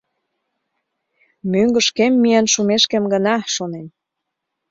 Мӧҥгышкем миен шумешкем гына, шонем.